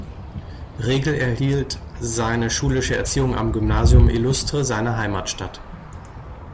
Regel erhielt seine schulische Erziehung am Gymnasium Illustre seiner Heimatstadt.